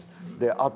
あと。